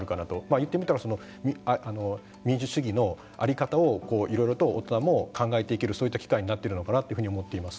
言ってみたら民主主義の在り方をいろいろと大人も考えていけるそういった機会になっているのかなと思っています。